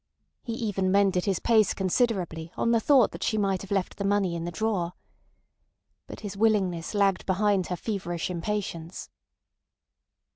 He even mended his pace considerably on the thought that she might have left the money in the drawer. But his willingness lagged behind her feverish impatience.